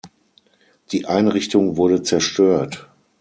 Die Einrichtung wurde zerstört.